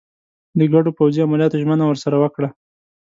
د ګډو پوځي عملیاتو ژمنه ورسره وکړه.